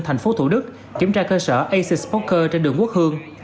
thành phố thủ đức kiểm tra cơ sở asis poker trên đường quốc hương